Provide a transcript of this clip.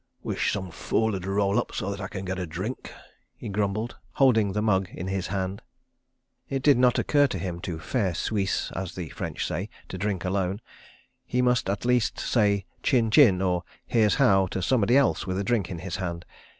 "Wish some fool'd roll up so that I can get a drink," he grumbled, holding the mug in his hand. It did not occur to him to "faire Suisse," as the French say—to drink alone. He must at least say "Chin chin" or "Here's how" to somebody else with a drink in his hand.